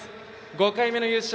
５回目の優勝